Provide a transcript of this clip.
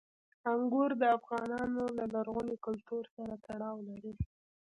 انګور د افغانانو له لرغوني کلتور سره تړاو لري.